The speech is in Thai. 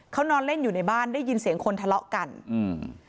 เขานอนเล่นอยู่ในบ้านได้ยินเสียงคนทะเลาะกันอืม